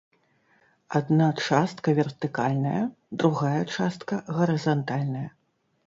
Адна частка вертыкальная, другая частка гарызантальная.